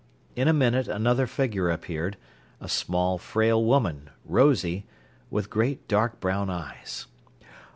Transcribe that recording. In a minute another figure appeared, a small, frail woman, rosy, with great dark brown eyes.